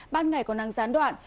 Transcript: ban ngày còn năng gián đoạn